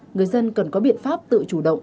người dân cần có biện pháp tự chủ động